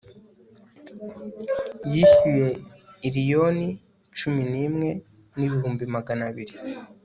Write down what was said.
yishyuye iliyoni cumi n'imwe n'ibihumbi magana abiri